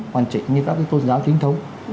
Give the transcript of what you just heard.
hoàn chỉnh như các tôn giáo chính thống